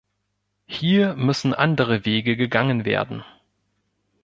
Hier müssen andere Wege gegangen werden.